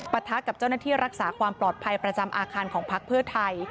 ทะกับเจ้าหน้าที่รักษาความปลอดภัยประจำอาคารของพักเพื่อไทย